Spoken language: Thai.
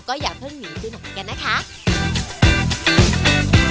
ขอบคุณครับ